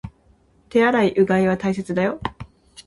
手洗い、うがいは大切だよ